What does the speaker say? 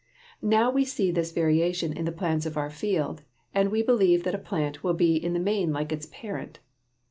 Now we see this variation in the plants of our field, and we believe that the plant will be in the main like its parent.